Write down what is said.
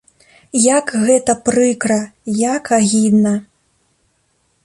Як гэта прыкра, як агідна!